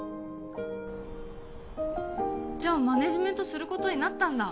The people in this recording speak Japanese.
じゃあマネージメントすることになったんだ？